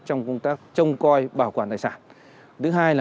trong công tác trông coi bảo quản tài sản